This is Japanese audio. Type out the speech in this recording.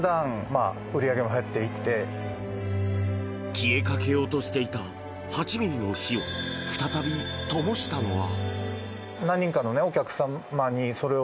消えかけようとしていた８ｍｍの灯を再びともしたのは。